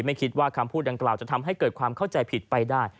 ไม่คิดว่าคำพูดดังกล่าวจะทำให้เกิดความเข้าใจผิดไปได้